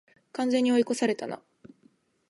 完全に追い越されたな